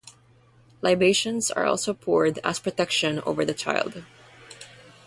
Libations are also poured as protection over the child.